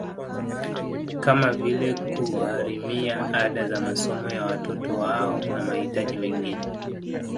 Kama vile kugharimia ada za masomo ya watoto wao na mahitaji mengine